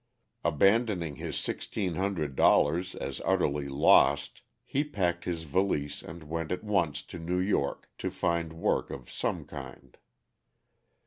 Abandoning his sixteen hundred dollars as utterly lost, he packed his valise and went at once to New York to find work of some kind.